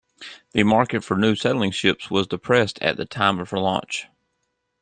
The market for new sailing ships was depressed at the time of her launch.